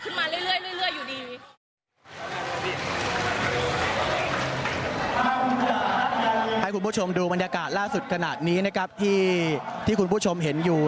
คุณผู้ชมดูบรรยากาศล่าสุดขนาดนี้นะครับที่คุณผู้ชมเห็นอยู่